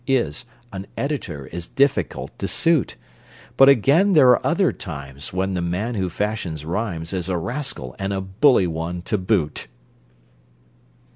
Is: An editor is difficult to suit. But again there're other times When the man who fashions rhymes Is a rascal, and a bully one to boot!